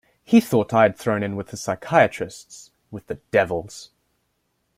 He thought I had thrown in with the psychiatrists, with the devils.